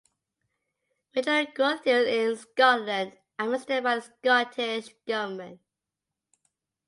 Regional growth deals in Scotland are administered by the Scottish Government.